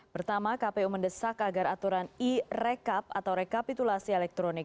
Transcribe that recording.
pertama kpu mendesak agar aturan e rekap atau rekapitulasi elektronik